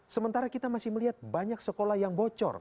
sementara kita masih melihat banyak sekolah yang bocor